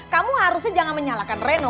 kamu harusnya jangan menyalahkan reno